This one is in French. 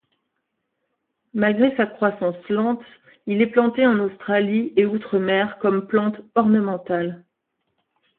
Malgré sa croissance lente, il est planté en Australie et outre-mer comme plante ornementale.